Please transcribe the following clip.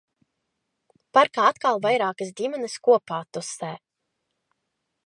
Parkā atkal vairākas ģimenes kopā tusē.